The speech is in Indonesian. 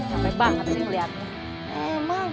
capek banget sih ngeliatnya